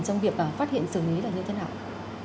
trong việc phát hiện xử lý là như thế nào